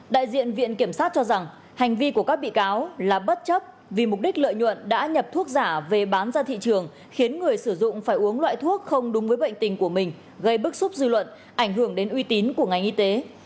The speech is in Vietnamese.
đại diện viện kiểm sát cho rằng hành vi của các bị cáo là bất chấp vì mục đích lợi nhuận đã nhập thuốc giả về bán ra thị trường khiến người sử dụng phải uống loại thuốc không đúng với bệnh tình của mình gây bức xúc dư luận ảnh hưởng đến uy tín của ngành y tế